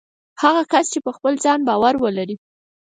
هغه کس چې په خپل ځان باور ولري